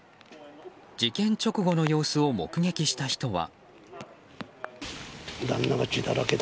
事件直後の様子を目撃した人は。